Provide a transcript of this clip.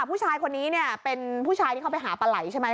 ผู้ชายคนนี้เป็นผู้ชายเข้าไปหาปลไหลยใช่ไหม